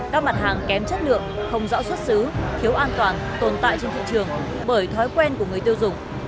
các mặt hàng kém chất lượng không rõ xuất xứ thiếu an toàn tồn tại trên thị trường bởi thói quen của người tiêu dùng